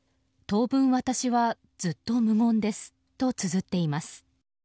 当分、私はずっと無言ですとつづっています。